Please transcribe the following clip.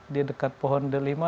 di dekat pohon delima